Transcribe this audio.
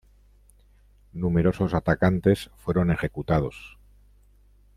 Numerosos atacantes fueron ejecutados.